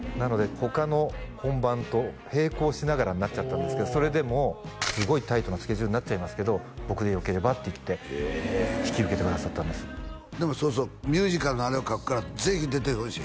他の本番と並行しながらになっちゃったんですけどそれでもすごいタイトなスケジュールになっちゃいますけど僕でよければって言って引き受けてくださったんですでもそうそうミュージカルのあれを書くからぜひ出てほしい